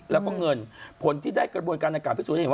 แล้วก็เงินผลที่ได้กระบวนการอากาศพิสูจนเห็นว่า